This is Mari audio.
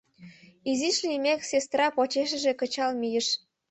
Изиш лиймек сестра почешыже кычал мийыш.